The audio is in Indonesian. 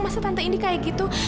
masa tante ini kayak gitu